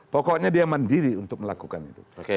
pokoknya dia mandiri untuk melakukan itu